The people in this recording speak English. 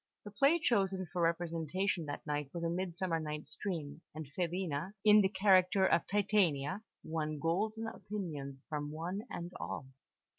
The play chosen for representation that night was A Midsummer Night's Dream; and Filina, in the character of "Titania," won golden opinions from one and all.